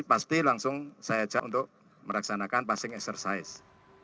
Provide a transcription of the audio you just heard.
pasti langsung saya ajak untuk mereksanakan passing exercise